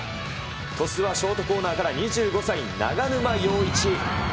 鳥栖はショートコーナーから２５歳、長沼洋一。